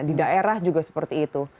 di daerah juga seperti itu